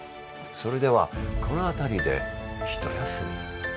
それでは、この辺りで一休み。